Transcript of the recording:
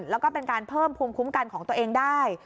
แล้วก็เป็นการเพิ่มภูมิคุ้มกันของตัวเองได้